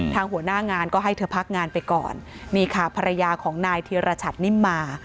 หัวหน้างานก็ให้เธอพักงานไปก่อนนี่ค่ะภรรยาของนายธีรชัตนิมมา